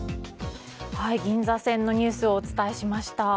銀座線のニュースをお伝えしました。